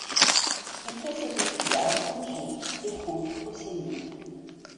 Il fait ses études à Angers et rentre au séminaire.